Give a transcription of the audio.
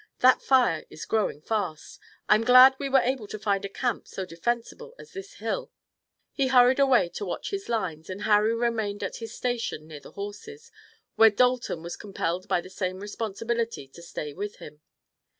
That fire is growing fast! I'm glad we were able to find a camp so defensible as this hill." He hurried away to watch his lines and Harry remained at his station near the horses, where Dalton was compelled by the same responsibility to stay with him.